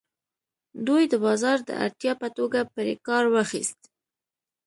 دوی د بازار د اړتیا په توګه پرې کار واخیست.